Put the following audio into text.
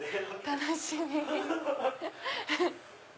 楽しみ！